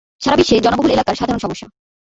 সারাবিশ্বে জনবহুল এলাকার সাধারণ সমস্যা।